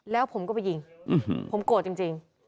แล้วผมก็ไปยิงผมโกรธจริง